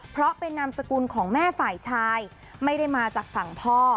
เพราะเป็นนามสกุลของแม่ฝ่ายชายไม่ได้มาจากฝั่งพ่อ